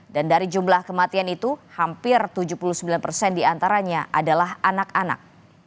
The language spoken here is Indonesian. dan dari jumlah kematian itu hampir tujuh puluh sembilan diantaranya adalah anak anak